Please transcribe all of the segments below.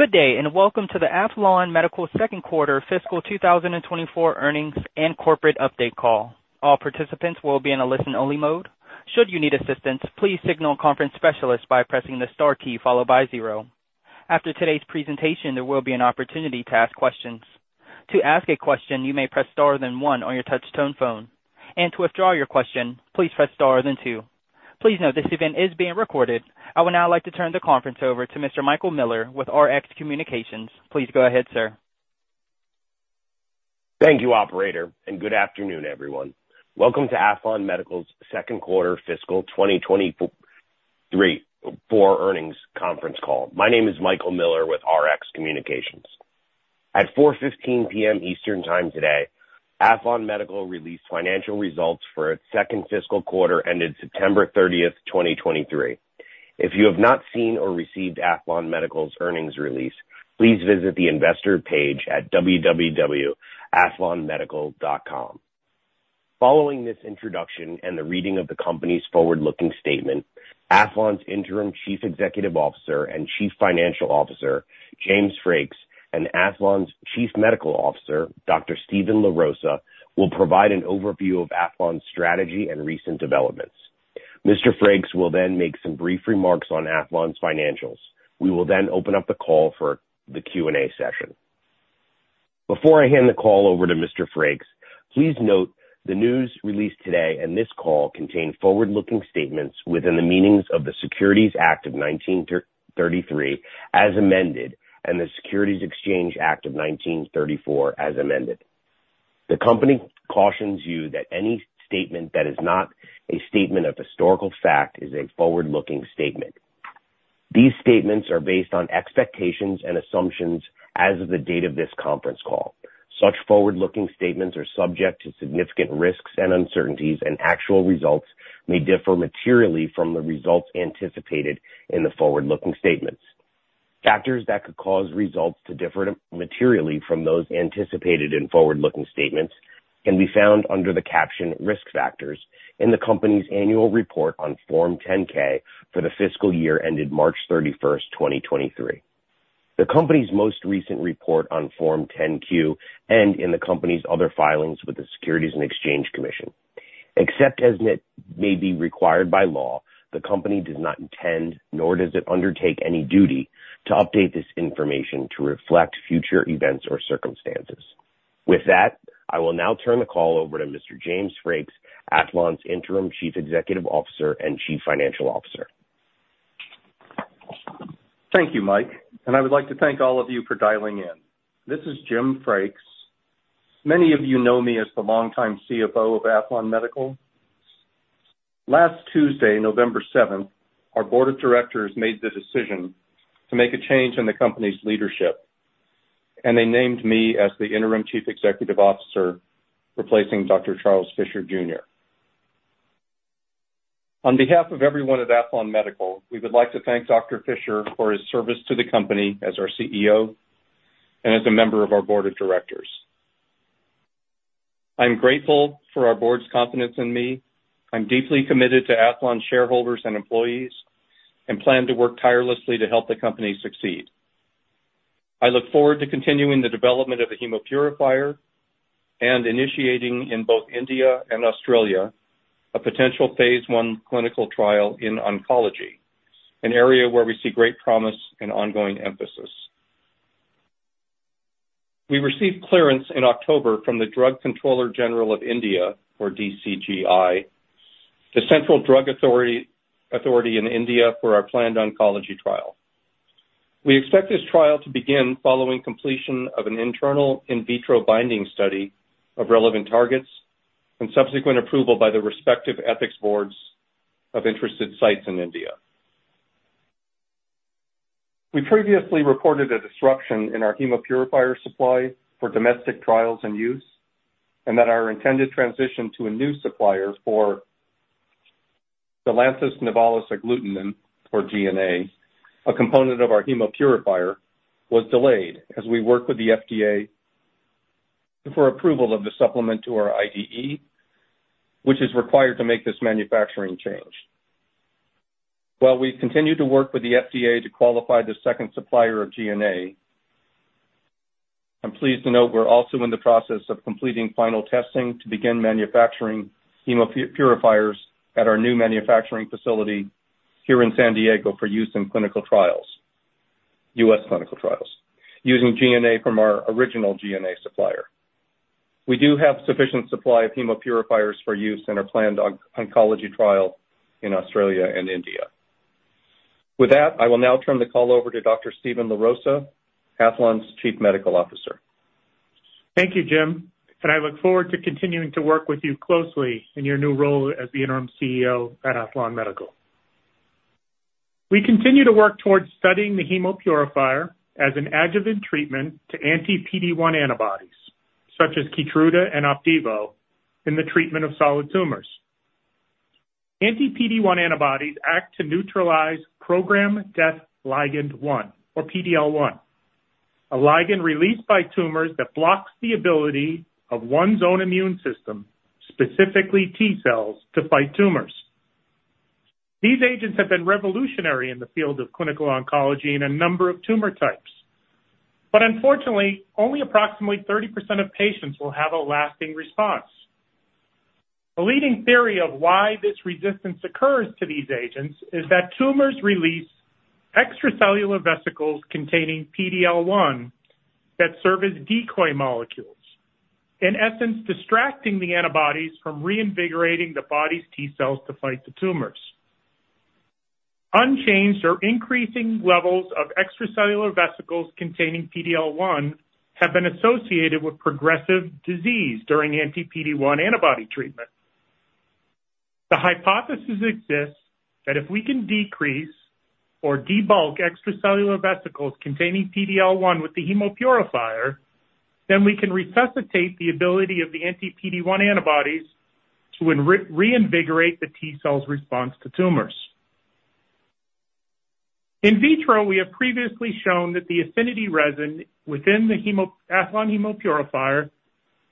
Good day, and welcome to the Aethlon Medical second quarter fiscal 2024 earnings and corporate update call. All participants will be in a listen-only mode. Should you need assistance, please signal a conference specialist by pressing the star key followed by zero. After today's presentation, there will be an opportunity to ask questions. To ask a question, you may press star then one on your touch-tone phone, and to withdraw your question, please press star then two. Please note this event is being recorded. I would now like to turn the conference over to Mr. Michael Miller with Rx Communications. Please go ahead, sir. Thank you, operator, and good afternoon, everyone. Welcome to Aethlon Medical's second quarter fiscal 2024 earnings conference call. My name is Michael Miller with Rx Communications. At 4:15 P.M. Eastern Time today, Aethlon Medical released financial results for its second fiscal quarter ended September 30, 2023. If you have not seen or received Aethlon Medical's earnings release, please visit the investor page at www.aethlonmedical.com. Following this introduction and the reading of the company's forward-looking statement, Aethlon's Interim Chief Executive Officer and Chief Financial Officer, James Frakes, and Aethlon's Chief Medical Officer, Dr. Steven LaRosa, will provide an overview of Aethlon's strategy and recent developments. Mr. Frakes will then make some brief remarks on Aethlon's financials. We will then open up the call for the Q&A session. Before I hand the call over to Mr. Frakes, please note the news released today and this call contain forward-looking statements within the meanings of the Securities Act of 1933, as amended, and the Securities Exchange Act of 1934, as amended. The company cautions you that any statement that is not a statement of historical fact is a forward-looking statement. These statements are based on expectations and assumptions as of the date of this conference call. Such forward-looking statements are subject to significant risks and uncertainties, and actual results may differ materially from the results anticipated in the forward-looking statements. Factors that could cause results to differ materially from those anticipated in forward-looking statements can be found under the caption Risk Factors in the company's annual report on Form 10-K for the fiscal year ended March 31, 2023. The company's most recent report on Form 10-Q, and in the company's other filings with the Securities and Exchange Commission. Except as it may be required by law, the company does not intend, nor does it undertake any duty to update this information to reflect future events or circumstances. With that, I will now turn the call over to Mr. James Frakes, Aethlon's Interim Chief Executive Officer and Chief Financial Officer. Thank you, Mike, and I would like to thank all of you for dialing in. This is Jim Frakes. Many of you know me as the longtime CFO of Aethlon Medical. Last Tuesday, November 7th, our Board of Directors made the decision to make a change in the company's leadership, and they named me as the Interim Chief Executive Officer, replacing Dr. Charles Fisher Jr. On behalf of everyone at Aethlon Medical, we would like to thank Dr. Fisher for his service to the company as our CEO and as a member of our Board of Directors. I'm grateful for our board's confidence in me. I'm deeply committed to Aethlon shareholders and employees and plan to work tirelessly to help the company succeed. I look forward to continuing the development of the Hemopurifier and initiating in both India and Australia a potential phase I clinical trial in oncology, an area where we see great promise and ongoing emphasis. We received clearance in October from the Drug Controller General of India, or DCGI, the central drug authority, authority in India for our planned oncology trial. We expect this trial to begin following completion of an internal in vitro binding study of relevant targets and subsequent approval by the respective ethics boards of interested sites in India. We previously reported a disruption in our Hemopurifier supply for domestic trials and use, and that our intended transition to a new supplier for the Galanthus nivalis agglutinin, or GNA, a component of our Hemopurifier, was delayed as we worked with the FDA for approval of the supplement to our IDE, which is required to make this manufacturing change. While we continue to work with the FDA to qualify the second supplier of GNA, I'm pleased to note we're also in the process of completing final testing to begin manufacturing Hemopurifiers at our new manufacturing facility here in San Diego for use in clinical trials, U.S. clinical trials, using GNA from our original GNA supplier. We do have sufficient supply of Hemopurifiers for use in our planned oncology trial in Australia and India. With that, I will now turn the call over to Dr. Steven LaRosa, Aethlon's Chief Medical Officer. Thank you, Jim, and I look forward to continuing to work with you closely in your new role as the Interim CEO at Aethlon Medical. We continue to work towards studying the Hemopurifier as an adjuvant treatment to anti-PD-1 antibodies, such as KEYTRUDA and OPDIVO, in the treatment of solid tumors. Anti-PD-1 antibodies act to neutralize programmed death-ligand 1 or PD-L1, a ligand released by tumors that blocks the ability of one's own immune system, specifically T cells, to fight tumors. These agents have been revolutionary in the field of clinical oncology in a number of tumor types. But unfortunately, only approximately 30% of patients will have a lasting response. The leading theory of why this resistance occurs to these agents is that tumors release extracellular vesicles containing PD-L1 that serve as decoy molecules, in essence, distracting the antibodies from reinvigorating the body's T cells to fight the tumors. Unchanged or increasing levels of extracellular vesicles containing PD-L1 have been associated with progressive disease during anti-PD-1 antibody treatment. The hypothesis exists that if we can decrease or debulk extracellular vesicles containing PD-L1 with the Hemopurifier, then we can resuscitate the ability of the anti-PD-1 antibodies to reinvigorate the T cells' response to tumors. In vitro, we have previously shown that the affinity resin within the Aethlon Hemopurifier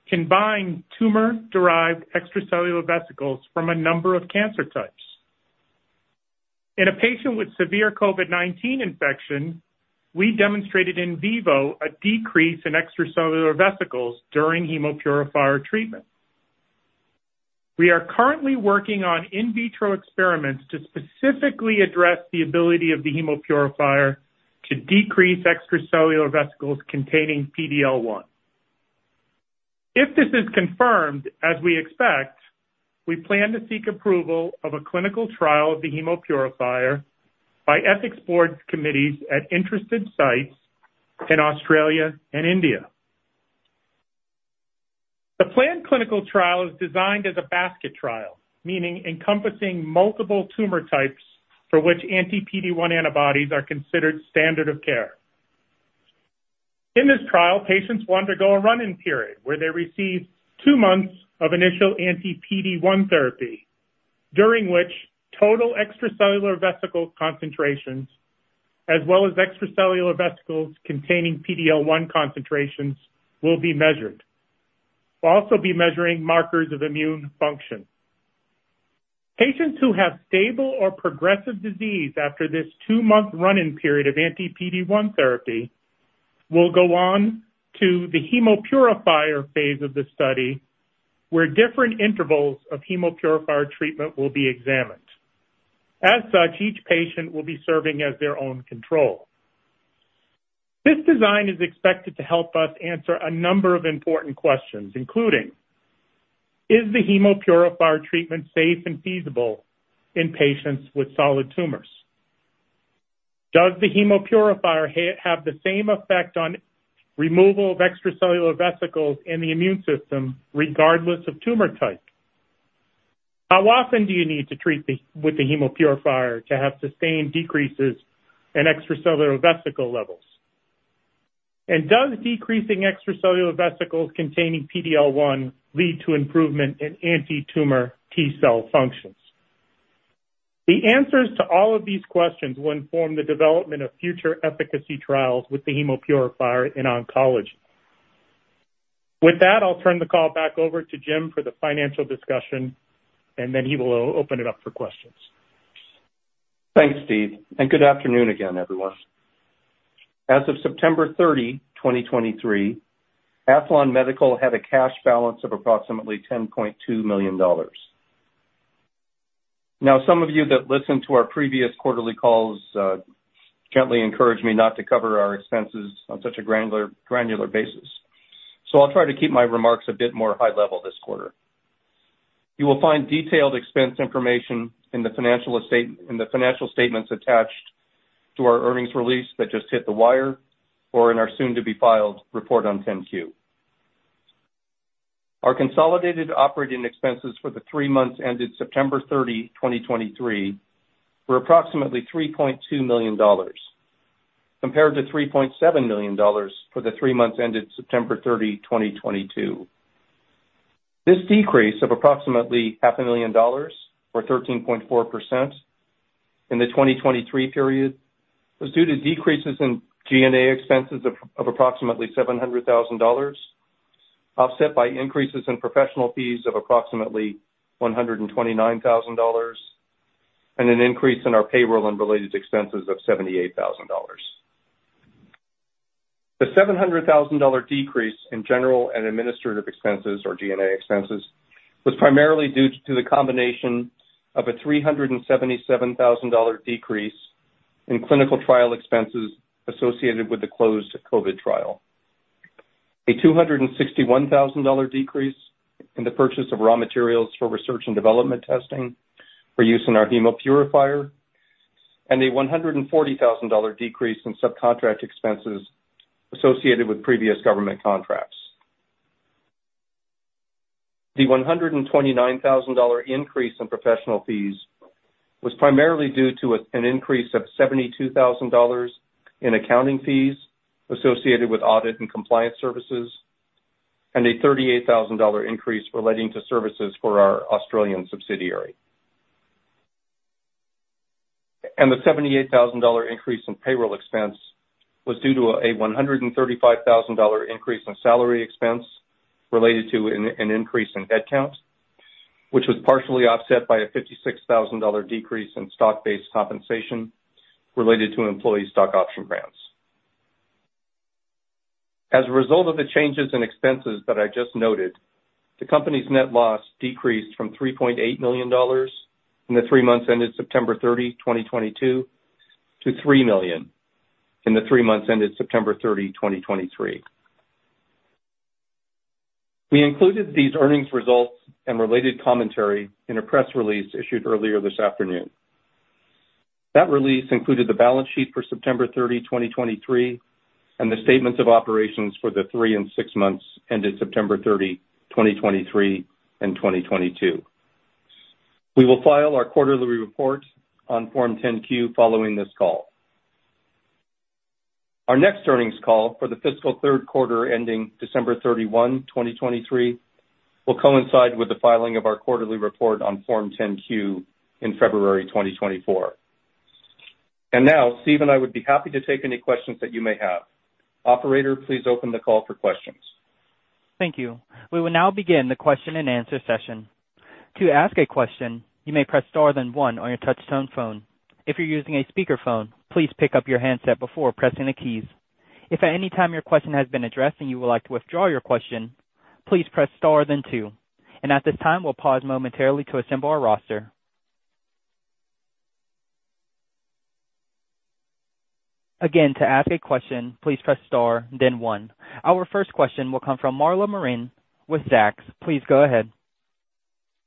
can bind tumor-derived extracellular vesicles from a number of cancer types. In a patient with severe COVID-19 infection, we demonstrated in vivo a decrease in extracellular vesicles during Hemopurifier treatment. We are currently working on in vitro experiments to specifically address the ability of the Hemopurifier to decrease extracellular vesicles containing PD-L1. If this is confirmed, as we expect, we plan to seek approval of a clinical trial of the Hemopurifier by ethics board committees at interested sites in Australia and India. The planned clinical trial is designed as a basket trial, meaning encompassing multiple tumor types for which anti-PD-1 antibodies are considered standard of care. In this trial, patients will undergo a run-in period, where they receive two months of initial anti-PD-1 therapy, during which total extracellular vesicle concentrations, as well as extracellular vesicles containing PD-L1 concentrations, will be measured. We'll also be measuring markers of immune function. Patients who have stable or progressive disease after this two-month run-in period of anti-PD-1 therapy will go on to the Hemopurifier phase of the study, where different intervals of Hemopurifier treatment will be examined. As such, each patient will be serving as their own control. This design is expected to help us answer a number of important questions, including: Is the Hemopurifier treatment safe and feasible in patients with solid tumors? Does the Hemopurifier have the same effect on removal of extracellular vesicles in the immune system, regardless of tumor type? How often do you need to treat with the Hemopurifier to have sustained decreases in extracellular vesicle levels? And does decreasing extracellular vesicles containing PD-L1 lead to improvement in anti-tumor T cell functions? The answers to all of these questions will inform the development of future efficacy trials with the Hemopurifier in oncology. With that, I'll turn the call back over to Jim for the financial discussion, and then he will open it up for questions. Thanks, Steve, and good afternoon again, everyone. As of September 30, 2023, Aethlon Medical had a cash balance of approximately $10.2 million. Now, some of you that listened to our previous quarterly calls gently encouraged me not to cover our expenses on such a granular basis, so I'll try to keep my remarks a bit more high level this quarter. You will find detailed expense information in the financial statements attached to our earnings release that just hit the wire, or in our soon-to-be-filed report on 10-Q. Our consolidated operating expenses for the three months ended September 30, 2023, were approximately $3.2 million, compared to $3.7 million for the three months ended September 30, 2022. This decrease of approximately $500,000, or 13.4% in the 2023 period, was due to decreases in G&A expenses of approximately $700,000, offset by increases in professional fees of approximately $129,000, and an increase in our payroll and related expenses of $78,000. The $700,000 decrease in general and administrative expenses, or G&A expenses, was primarily due to the combination of a $377,000 decrease in clinical trial expenses associated with the closed COVID trial. A $261,000 decrease in the purchase of raw materials for research and development testing for use in our Hemopurifier, and a $140,000 decrease in subcontract expenses associated with previous government contracts. The $129,000 increase in professional fees was primarily due to an increase of $72,000 in accounting fees associated with audit and compliance services, and a $38,000 increase relating to services for our Australian subsidiary. The $78,000 increase in payroll expense was due to a $135,000 increase in salary expense related to an increase in headcount, which was partially offset by a $56,000 decrease in stock-based compensation related to employee stock option grants. As a result of the changes in expenses that I just noted, the company's net loss decreased from $3.8 million in the three months ended September 30, 2022, to $3 million in the three months ended September 30, 2023. We included these earnings results and related commentary in a press release issued earlier this afternoon. That release included the balance sheet for September 30, 2023, and the statements of operations for the three and six months ended September 30, 2023 and 2022. We will file our quarterly report on Form 10-Q following this call. Our next earnings call for the fiscal third quarter ending December 31, 2023, will coincide with the filing of our quarterly report on Form 10-Q in February 2024. And now, Steve and I would be happy to take any questions that you may have. Operator, please open the call for questions. Thank you. We will now begin the question-and-answer session. To ask a question, you may press star then one on your touchtone phone. If you're using a speakerphone, please pick up your handset before pressing the keys. If at any time your question has been addressed and you would like to withdraw your question, please press star then two. At this time, we'll pause momentarily to assemble our roster. Again, to ask a question, please press star then one. Our first question will come from Marla Marin with Zacks. Please go ahead.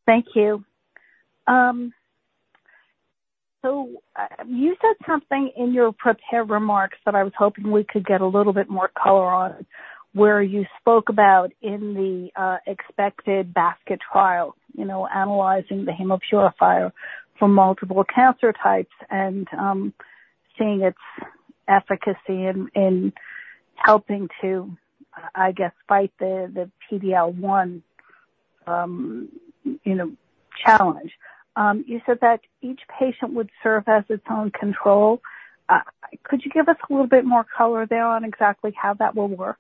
Thank you. So, you said something in your prepared remarks that I was hoping we could get a little bit more color on, where you spoke about in the expected basket trial, you know, analyzing the Hemopurifier for multiple cancer types and, seeing its efficacy in, in helping to, I guess, fight the, the PD-L1, you know, challenge. You said that each patient would serve as its own control. Could you give us a little bit more color there on exactly how that will work?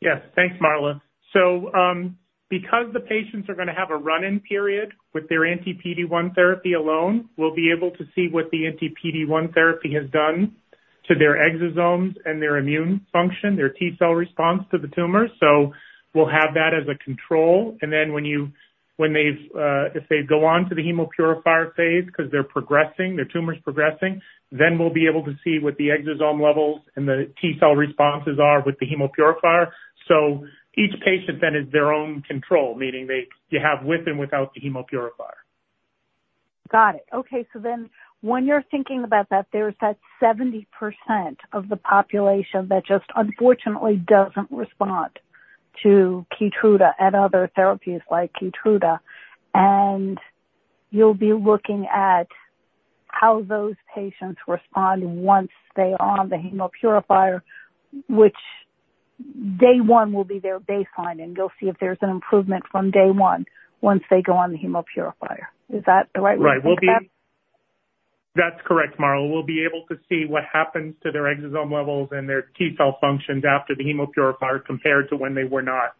Yes. Thanks, Marla. So, because the patients are gonna have a run-in period with their anti-PD-1 therapy alone, we'll be able to see what the anti-PD-1 therapy has done to their exosomes and their immune function, their T-cell response to the tumor. So we'll have that as a control, and then when they've, if they go on to the Hemopurifier phase because they're progressing, their tumor's progressing, then we'll be able to see what the exosome levels and the T-cell responses are with the Hemopurifier. So each patient then is their own control, meaning they, you have with and without the Hemopurifier. Got it. Okay, so then when you're thinking about that, there's that 70% of the population that just unfortunately doesn't respond to KEYTRUDA and other therapies like KEYTRUDA, and you'll be looking at how those patients respond once they're on the Hemopurifier, which day one will be their baseline, and you'll see if there's an improvement from day one once they go on the Hemopurifier. Is that the right way to think about it? Right. That's correct, Marla. We'll be able to see what happens to their exosome levels and their T-cell functions after the Hemopurifier, compared to when they were not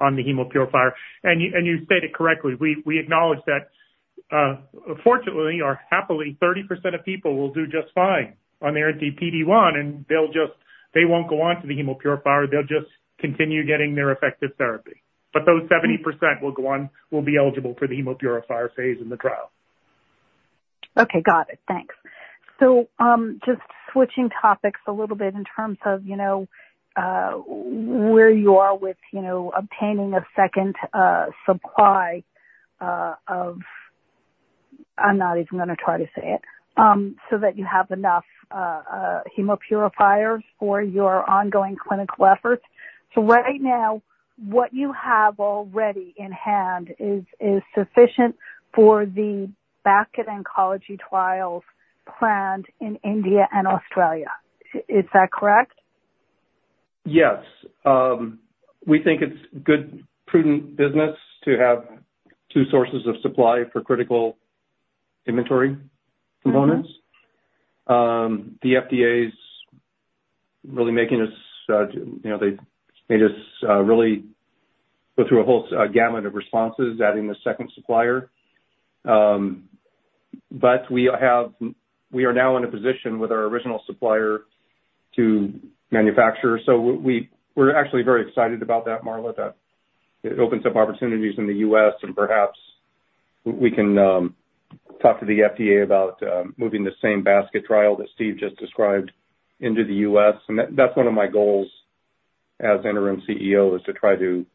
on the Hemopurifier. And you, and you stated correctly, we, we acknowledge that, fortunately or happily, 30% of people will do just fine on their anti-PD-1, and they'll just, they won't go on to the Hemopurifier. They'll just continue getting their effective therapy. But those 70% will go on, will be eligible for the Hemopurifier phase in the trial. Okay. Got it. Thanks. So, just switching topics a little bit in terms of, you know, where you are with, you know, obtaining a second supply of... I'm not even gonna try to say it. So that you have enough Hemopurifiers for your ongoing clinical efforts. So right now, what you have already in hand is sufficient for the basket oncology trials planned in India and Australia. Is that correct? Yes. We think it's good, prudent business to have two sources of supply for critical inventory components. Mm-hmm. The FDA's really making us, you know, they just really go through a whole gamut of responses, adding a second supplier. But we are now in a position with our original supplier to manufacture, so we're actually very excited about that, Marla, that it opens up opportunities in the U.S., and perhaps we can talk to the FDA about moving the same basket trial that Steve just described into the U.S. That's one of my goals as Interim CEO, is to try to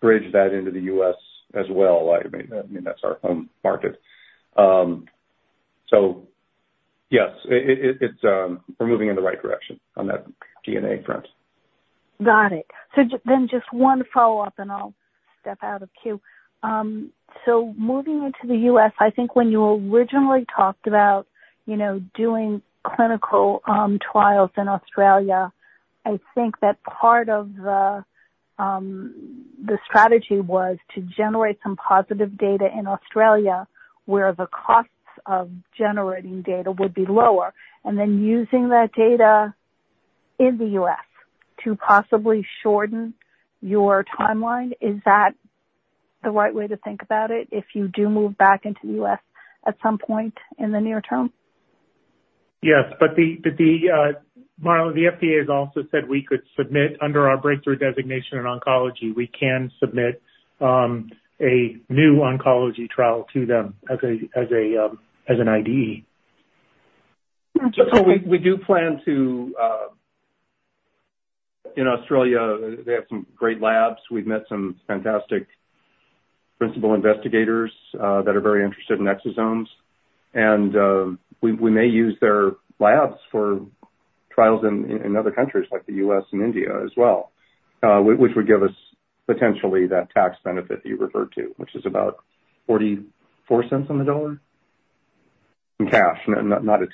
bridge that into the U.S. as well. I mean, that's our home market. So yes, it's. We're moving in the right direction on that GNA front. Got it. So then just one follow-up, and I'll step out of queue. So moving into the U.S., I think when you originally talked about, you know, doing clinical trials in Australia. I think that part of the strategy was to generate some positive data in Australia, where the costs of generating data would be lower, and then using that data in the U.S. to possibly shorten your timeline. Is that the right way to think about it, if you do move back into the U.S. at some point in the near-term? Yes, Marla, the FDA has also said we could submit under our breakthrough designation in oncology. We can submit a new oncology trial to them as an IDE. So we do plan to, in Australia, they have some great labs. We've met some fantastic principal investigators that are very interested in exosomes, and we may use their labs for trials in other countries like the U.S. and India as well. Which would give us potentially that tax benefit you referred to, which is about $0.44 on the dollar in cash. Not a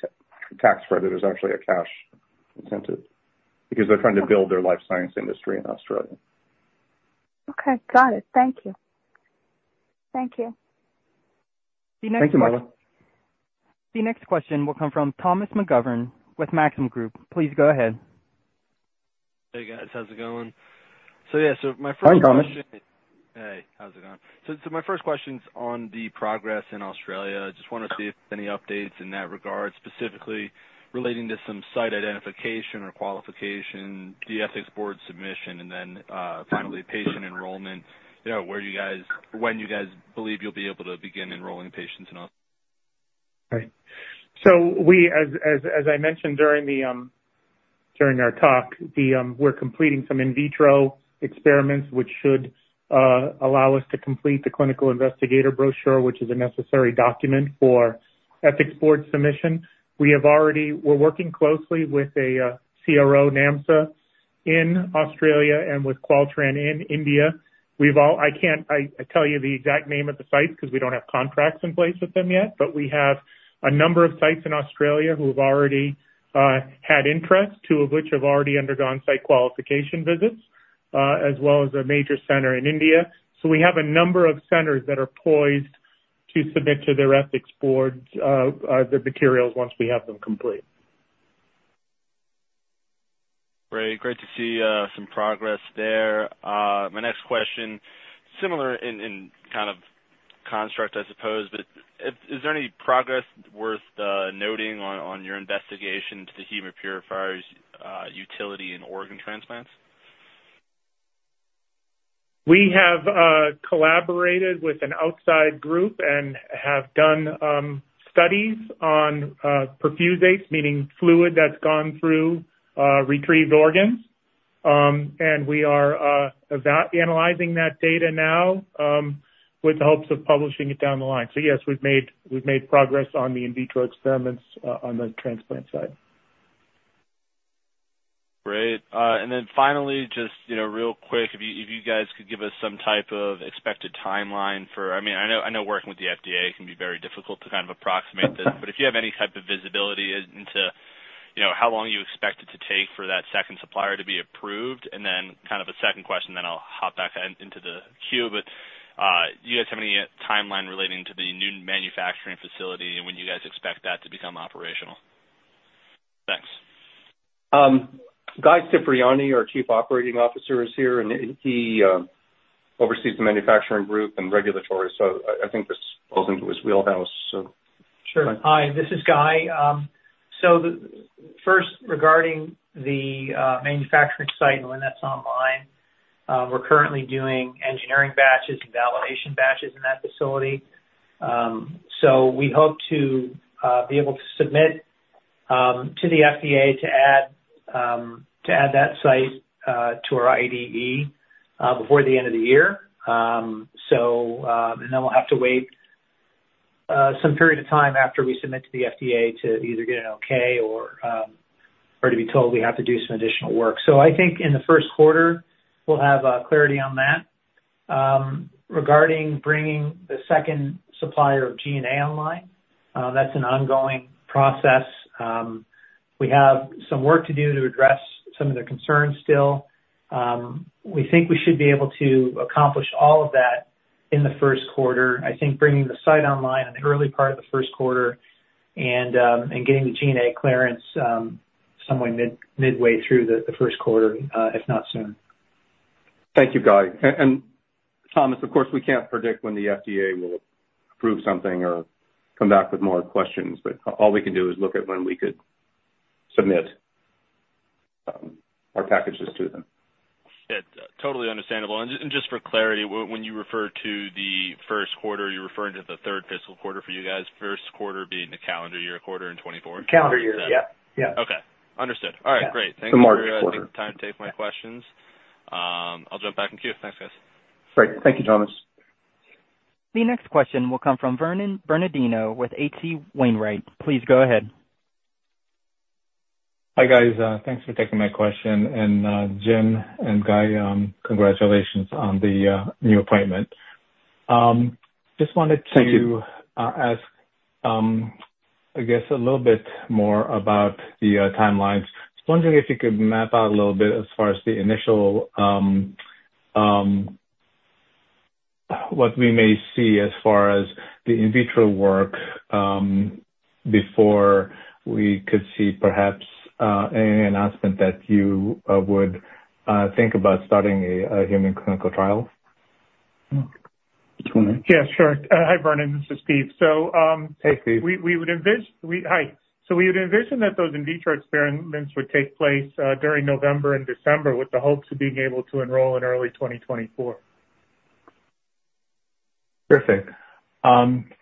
tax credit. It's actually a cash incentive, because they're trying to build their life science industry in Australia. Okay, got it. Thank you. Thank you, Marla. The next question will come from Thomas McGovern with Maxim Group. Please go ahead. Hey, guys. How's it going? So, yeah, so my first question- Hi, Thomas. Hey, how's it going? So, my first question's on the progress in Australia. I just want to see if there's any updates in that regard, specifically relating to some site identification or qualification, the ethics board submission, and then, finally, patient enrollment. You know, where you guys, when you guys believe you'll be able to begin enrolling patients in Australia? Right. So as I mentioned during our talk, we're completing some in vitro experiments, which should allow us to complete the clinical investigator brochure, which is a necessary document for ethics board submission. We're working closely with a CRO, NAMSA, in Australia and with Qualtech in India. I can't tell you the exact name of the sites 'cause we don't have contracts in place with them yet, but we have a number of sites in Australia who have already had interest, two of which have already undergone site qualification visits, as well as a major center in India. So we have a number of centers that are poised to submit to their ethics boards, the materials once we have them complete. Great. Great to see some progress there. My next question, similar in kind of construct, I suppose, but is there any progress worth noting on your investigation into the Hemopurifier's utility in organ transplants? We have collaborated with an outside group and have done studies on perfusates, meaning fluid that's gone through retrieved organs. We are analyzing that data now with the hopes of publishing it down the line. So yes, we've made progress on the in vitro experiments on the transplant side. Great. And then finally, just, you know, real quick, if you, if you guys could give us some type of expected timeline for—I mean, I know, I know working with the FDA can be very difficult to kind of approximate this. But if you have any type of visibility into, you know, how long you expect it to take for that second supplier to be approved. And then kind of a second question, then I'll hop back into the queue. But do you guys have any timeline relating to the new manufacturing facility and when you guys expect that to become operational? Thanks. Guy Cipriani, our Chief Operating Officer, is here, and he oversees the manufacturing group and regulatory. So I think this falls into his wheelhouse, so. Hi, this is Guy. So first, regarding the manufacturing site and when that's online, we're currently doing engineering batches and validation batches in that facility. So we hope to be able to submit to the FDA to add that site to our IDE before the end of the year. And then we'll have to wait some period of time after we submit to the FDA to either get an okay or to be told we have to do some additional work. So I think in the first quarter, we'll have clarity on that. Regarding bringing the second supplier of GNA online, that's an ongoing process. We have some work to do to address some of their concerns still. We think we should be able to accomplish all of that in the first quarter. I think bringing the site online in the early part of the first quarter and getting the GNA clearance somewhere midway through the first quarter, if not sooner. Thank you, Guy. And Thomas, of course, we can't predict when the FDA will approve something or come back with more questions, but all we can do is look at when we could submit our packages to them. Yeah, totally understandable. And just for clarity, when you refer to the first quarter, you're referring to the third fiscal quarter for you guys, first quarter being the calendar year quarter in 2024? Calendar year, yep. Yep. Okay. Understood. All right, great. The March quarter. Thank you for taking the time to take my questions. I'll jump back in queue. Thanks, guys. Great. Thank you, Thomas. The next question will come from Vernon Bernardino with H.C. Wainwright. Please go ahead. Hi, guys. Thanks for taking my question. Jim and Guy, congratulations on the new appointment. Just wanted to ask, I guess a little bit more about the timelines. I was wondering if you could map out a little bit as far as the initial, what we may see as far as the in vitro work, before we could see perhaps any announcement that you would think about starting a human clinical trial? Yeah, sure. Hi, Vernon, this is Steve. So, Hey, Steve. So we would envision that those in vitro experiments would take place during November and December, with the hopes of being able to enroll in early 2024. Perfect.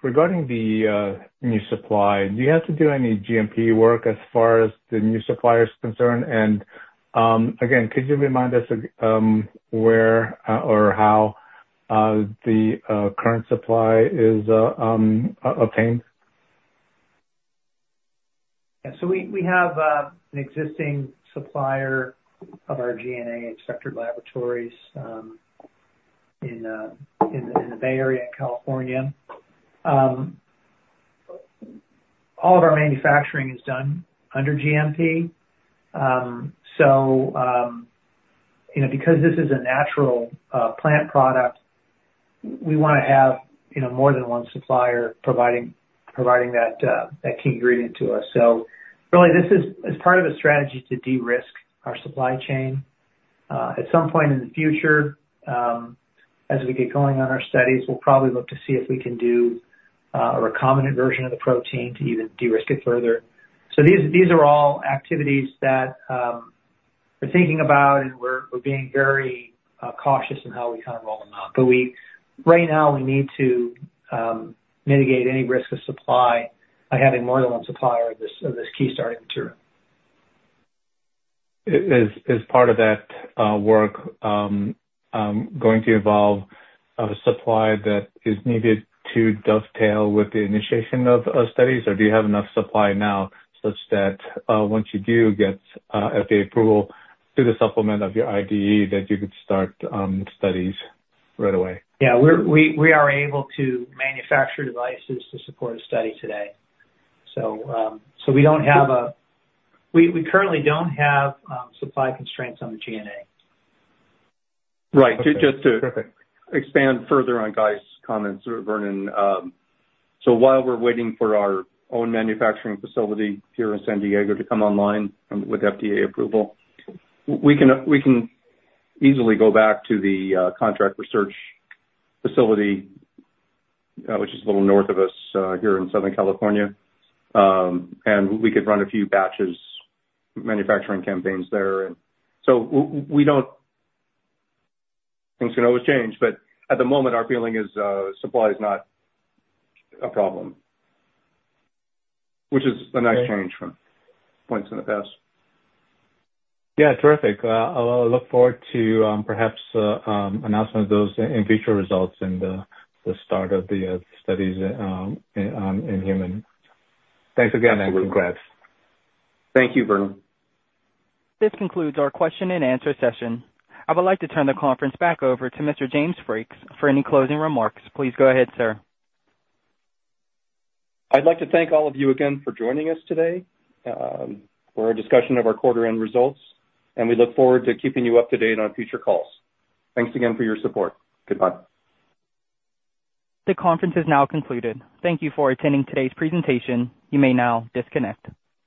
Regarding the new supply, do you have to do any GMP work as far as the new supplier is concerned? And again, could you remind us where or how the current supply is obtained? Yeah, so we have an existing supplier of our GNA and Vector Laboratories in the Bay Area in California. All of our manufacturing is done under GMP. So, you know, because this is a natural plant product, we wanna have, you know, more than one supplier providing that key ingredient to us. So really, this is part of a strategy to de-risk our supply chain. At some point in the future, as we get going on our studies, we'll probably look to see if we can do a recombinant version of the protein to even de-risk it further. So these are all activities that we're thinking about, and we're being very cautious in how we kind of roll them out. Right now we need to mitigate any risk of supply by having more than one supplier of this key starting material. Is part of that work going to involve a supply that is needed to dovetail with the initiation of studies, or do you have enough supply now, such that once you do get FDA approval to the supplement of your IDE, that you could start studies right away? Yeah, we're able to manufacture devices to support a study today. So, we currently don't have supply constraints on the GNA. Right. Perfect. Expand further on Guy's comments, Vernon. So while we're waiting for our own manufacturing facility here in San Diego to come online, with FDA approval, we can, we can easily go back to the contract research facility, which is a little north of us, here in Southern California. And we could run a few batches, manufacturing campaigns there. And so we don't... Things can always change, but at the moment, our feeling is, supply is not a problem, which is a nice change from points in the past. Yeah. Terrific. I'll look forward to perhaps an announcement of those in future results in the start of the studies in human. Thanks again, and congrats. Thank you, Vernon. This concludes our question-and-answer session. I would like to turn the conference back over to Mr. James Frakes for any closing remarks. Please go ahead, sir. I'd like to thank all of you again for joining us today, for a discussion of our quarter end results, and we look forward to keeping you up to date on future calls. Thanks again for your support. Goodbye. The conference is now concluded. Thank you for attending today's presentation. You may now disconnect.